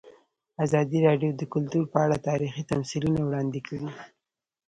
ازادي راډیو د کلتور په اړه تاریخي تمثیلونه وړاندې کړي.